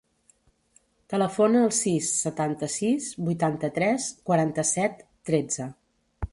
Telefona al sis, setanta-sis, vuitanta-tres, quaranta-set, tretze.